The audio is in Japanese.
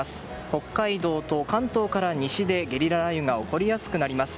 北海道と関東から西でゲリラ雷雨が起こりやすくなります。